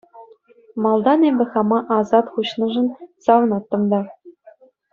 Малтан эпӗ хама асат хуҫнӑшан савӑнаттӑм та.